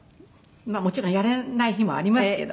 もちろんやれない日もありますけど。